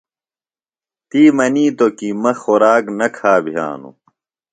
تی منیتوۡ کی مہ خوراک نہ کھا بِھیانوۡ۔